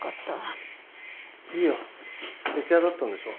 いいよ徹夜だったんでしょ？